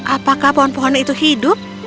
apakah pohon pohon itu hidup